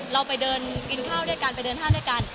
เราไปเดินกินข้าวด้วยกันไปเดินห้างด้วยกัน